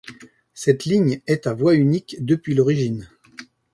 Cette ligne est à voie unique depuis l'origine.